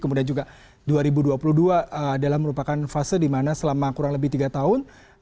kemudian juga dua ribu dua puluh dua adalah merupakan fase di mana selama kurang lebih tiga tahun